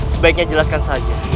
sebaiknya jelaskan saja